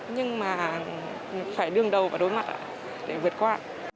nhưng mà phải đương đầu và đối mặt để vượt qua